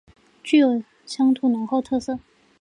具有乡土浓厚特色